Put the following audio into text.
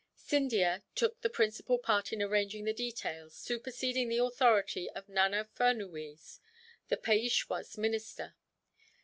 Scindia took the principal part in arranging the details, superseding the authority of Nana Furnuwees, the Peishwa's minister.